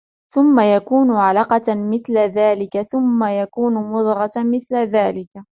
ثُمَّ يَكُونُ عَلَقَةً مِثْلَ ذلِكَ، ثُمَّ يَكُونُ مُضْغَةً مِثْلَ ذلِكَ